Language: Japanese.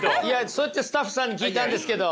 そうやってスタッフさんに聞いたんですけど。